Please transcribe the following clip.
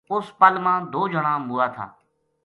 اُس پل ما دو جنا مُوا تھا